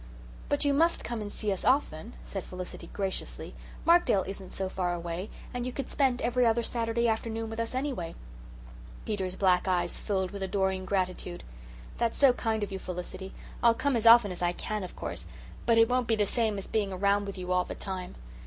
"But you must come and see us often," said Felicity graciously. "Markdale isn't so far away, and you could spend every other Saturday afternoon with us anyway." Peter's black eyes filled with adoring gratitude. "That's so kind of you, Felicity. I'll come as often as I can, of course; but it won't be the same as being around with you all the time.